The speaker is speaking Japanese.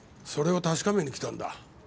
それを確かめに来たんだ。